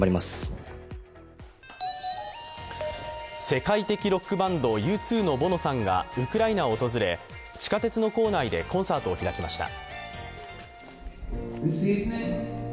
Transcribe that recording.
世界的ロックバンド、Ｕ２のボノさんがウクライナを訪れ、地下鉄の構内でコンサートを開きました。